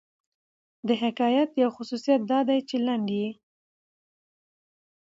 د حکایت یو خصوصیت دا دئ، چي لنډ يي.